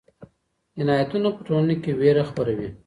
جنایتونه په ټولنه کې ویره خپروي.